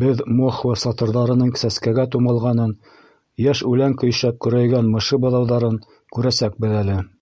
Беҙ мохва сатырҙарының сәскәгә тумалғанын, йәш үлән көйшәп көрәйгән мышы быҙауҙарын күрәсәкбеҙ әле.